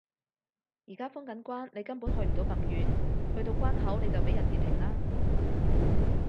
而家封緊關你根本去唔到咁遠，去到關口你就畀人截停啦